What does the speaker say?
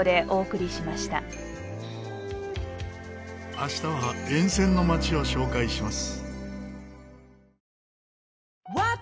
明日は沿線の街を紹介します。